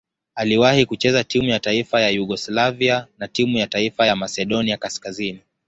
Aliwahi kucheza timu ya taifa ya Yugoslavia na timu ya taifa ya Masedonia Kaskazini.